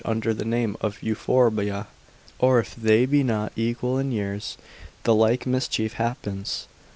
2, under the name of Euphorbia. Or if they be not equal in years, the like mischief happens.